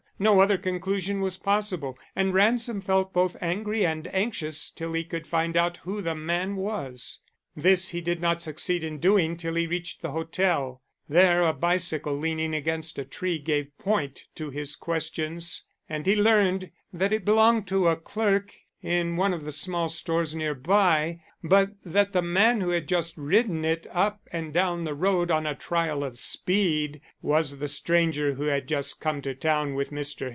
No other conclusion was possible, and Ransom felt both angry and anxious till he could find out who the man was. This he did not succeed in doing till he reached the hotel. There a bicycle leaning against a tree gave point to his questions, and he learned that it belonged to a clerk in one of the small stores near by, but that the man who had just ridden it up and down the road on a trial of speed was the stranger who had just come to town with Mr. Hazen.